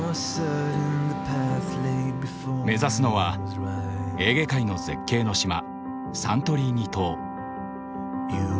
目指すのはエーゲ海の絶景の島サントリーニ島。